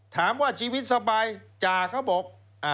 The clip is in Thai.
ถามว่าชีวิตสบายจ่าเขาบอก